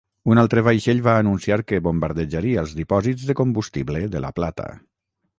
Un altre vaixell va anunciar que bombardejaria els dipòsits de combustible de La Plata.